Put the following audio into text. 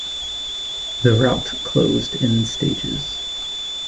The route closed in stages.